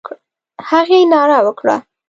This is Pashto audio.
هغې ناره وکړه: